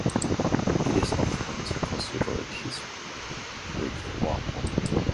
It is often considered his breakthrough album.